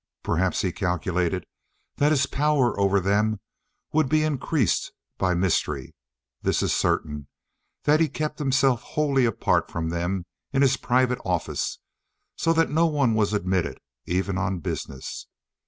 Perhaps he calculated that his power over them would be increased by mystery; this is certain, that he kept himself wholly apart from them in his private office, so that no one was admitted even on business.